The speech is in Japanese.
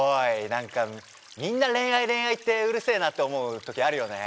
なんかみんな恋愛恋愛ってうるせーなって思うときあるよね。